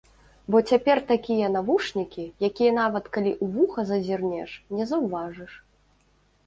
Бо цяпер такія навушнікі, якія нават калі ў вуха зазірнеш, не заўважыш.